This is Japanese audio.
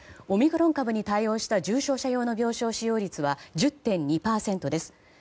オミクロン株に対応した重症者用の病床使用率は１０．２％です。